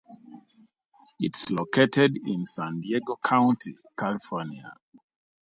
It is located in San Diego County, California.